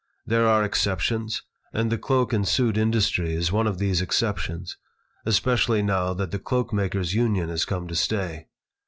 "There are exceptions. And the cloak and suit industry is one of these exceptions, especially now that the Cloak makers' Union has come to stay.